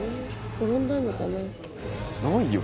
転んだのかな？